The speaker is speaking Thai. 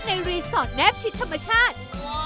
รีสอร์ทแนบชิดธรรมชาติ